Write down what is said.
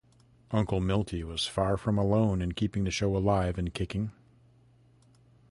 Uncle Miltie was far from alone in keeping the show alive and kicking.